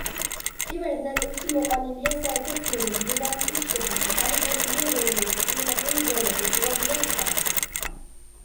პირველ ნაწილში მოყვანილია საერთო ცნობები დედამიწის შესახებ, აღწერილია რელიეფი, კლიმატური ზონები, ზღვები და სხვა.